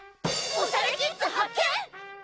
おしゃれキッズ発見！